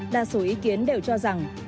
và số ý kiến đều cho rằng